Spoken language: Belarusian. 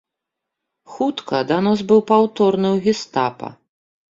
Хутка данос быў паўтораны ў гестапа.